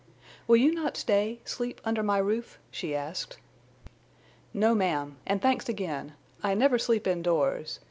"Will you not stay—sleep under my roof?" she asked. "No, ma'am, an' thanks again. I never sleep indoors.